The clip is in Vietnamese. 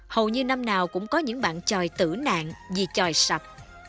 hầu như năm nào cũng có những bạn tròi tử nạn vì tròi sập